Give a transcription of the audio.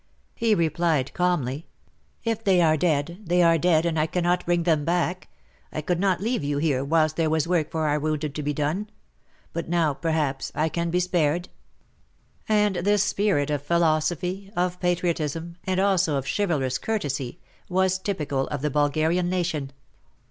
He replied calmly :If they are dead, they are dead and I cannot bring them back. I could not leave you here whilst there was work for our wounded to be done. But now, perhaps, I can be spared ?" And this spirit of philosophy, of patriotism and also of chivalrous courtesy, was typical of the Bulgarian nation.